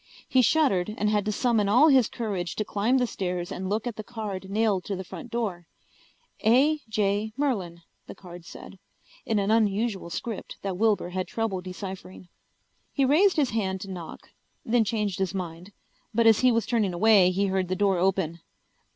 He shuddered and had to summon all his courage to climb the stairs and look at the card nailed to the front door. A. J. Merlin, the card said, in an unusual script that Wilbur had trouble deciphering. He raised his hand to knock, then changed his mind. But as he was turning away he heard the door open.